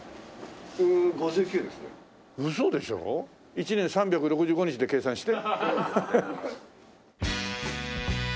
１年３６５日で計算して？